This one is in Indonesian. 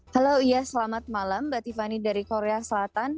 halo ya selamat malam mbak tiffany dari korea selatan